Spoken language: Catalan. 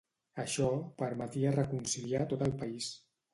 Això permetia reconciliar tot el país.